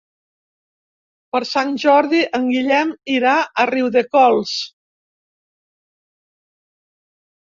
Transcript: Per Sant Jordi en Guillem irà a Riudecols.